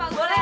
hah boleh ya